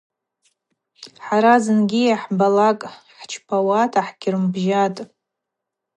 Хӏара зынгьи йыгӏбалакӏ хӏчпауата хӏгьрымбжьатӏ.